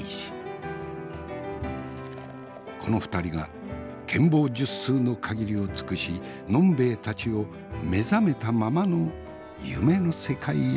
この２人が権謀術数の限りを尽くし飲んべえたちを目覚めたままの夢の世界へいざなってくれる。